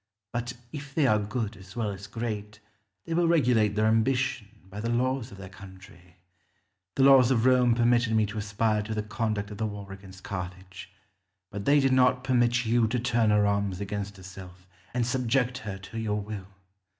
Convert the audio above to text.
But, if they are good as well as great, they will regulate their ambition by the laws of their country. The laws of Rome permitted me to aspire to the conduct of the war against Carthage; but they did not permit you to turn her arms against herself, and subject her to your will.